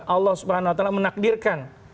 allah swt menakdirkan